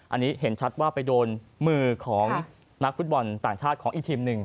อันนี้เห็นชัดว่าไปโดนมือของนักฟุตบอลต่างชาติของอีกทีมหนึ่ง